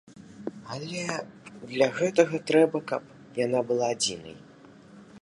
Але для гэтага трэба, каб яна была адзінай.